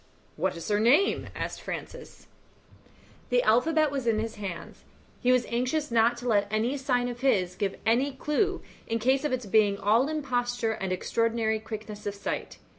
"What is her name?" asked Francis. The alphabet was in his hands; he was anxious not to let any sign of his give any clue in case of its being all imposture and extraordinary quickness of sight.